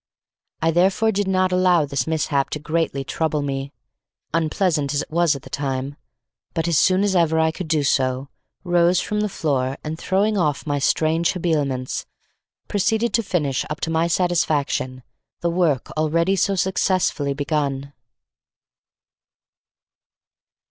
I therefore did not allow this mishap to greatly trouble me, unpleasant as it was at the time, but, as soon as ever I could do so, rose from the floor and throwing off my strange habiliments, proceeded to finish up to my satisfaction, the work already so successfully begun.